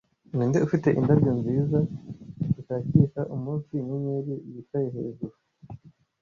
Ninde ufite indabyo-nziza zishakisha umunsi-inyenyeri yicaye hejuru,